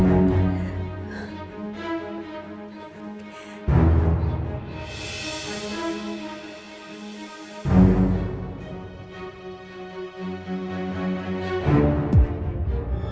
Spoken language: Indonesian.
aku akan simpan berkas ini baik baik